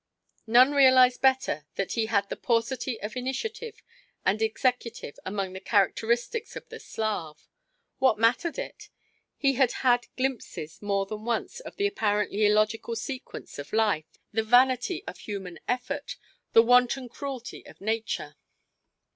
None realized better than he the paucity of initiative and executive among the characteristics of the Slav. What mattered it? He had had glimpses more than once of the apparently illogical sequence of life, the vanity of human effort, the wanton cruelty of Nature.